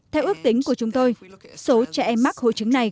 theo ước tính của chúng tôi số trẻ em mắc hội chứng này